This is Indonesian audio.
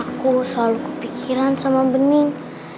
aku selalu kepikiran sama bening